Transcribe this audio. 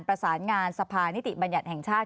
ประสานงานสภานิติบัญญัติแห่งชาติ